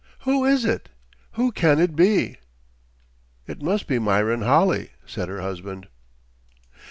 Who is it? Who can it be?" "It must be Myron Holley," said her husband.